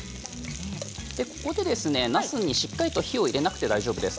ここでなすにしっかりと火を入れなくて大丈夫です